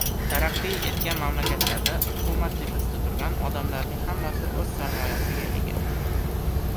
Taraqqiy etgan mamlakatlarda hukumat tepasida turgan odamlarning hammasi o‘z sarmoyasiga ega.